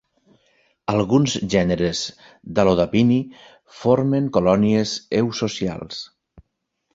Alguns gèneres d'Allodapini formen colònies eusocials.